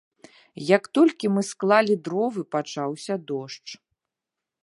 Як толькі мы склалі дровы, пачаўся дождж.